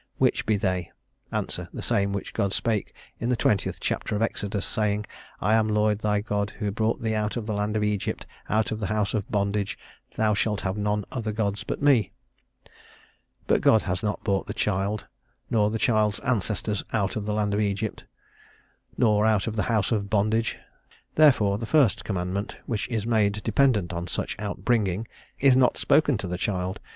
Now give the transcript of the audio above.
Which be they? Ans. The same which God spake in the twentieth chapter of Exodus, saying, I am the Lord thy God, who brought thee out of the land of Egypt, out of the house of bondage. Thou shalt have none other gods but me." But God has not brought the child, nor the child's ancestors, out of the land of Egypt, nor out of the house of bondage: therefore the first commandment, which is made dependent on such out bringing, is not spoken to the child.